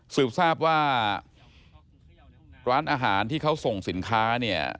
สิบทราบว่าร้านอาหารที่เขาส่งสินค้าเนี่ย